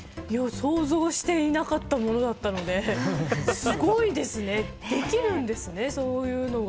想像していなかったものだったのですごいですね、できるんですね、そういうのが。